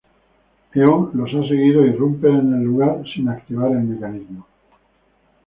Eon los ha seguido e irrumpe al lugar sin activar el mecanismo.